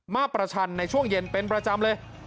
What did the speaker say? ประชันในช่วงเย็นเป็นประจำเลย